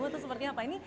atau seperti apa ini